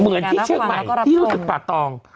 เหมือนที่เชื้องใหม่ที่รูปศึกประตอง